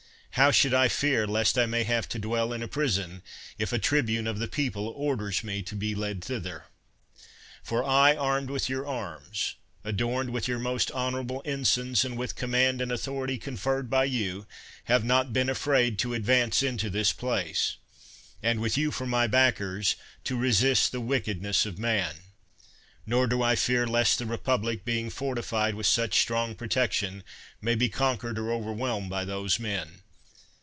How should I fear lest I may have to dwell in a prison, if a tribune of the people orders me to be led thither? for I, armed with your arms, adorned with your most honorable ensigns, and with command and authority conferred by you, have not been afraid to advance into this place, and, with you for my backers, to resist the wickedness of man ; nor do I fear lest the republic, being fortified with such 92 CICERO strong protection, may be conquered or over whelmed by those men.